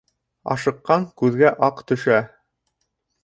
Ашыҡҡан күҙгә аҡ төшә.